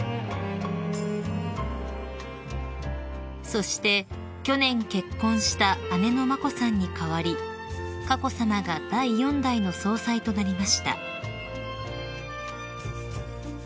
［そして去年結婚した姉の眞子さんに代わり佳子さまが第四代の総裁となりました］